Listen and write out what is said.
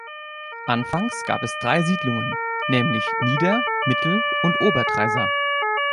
Anfangs gab es drei Siedlungen, nämlich Nieder-, Mittel- und Ober-Traisa.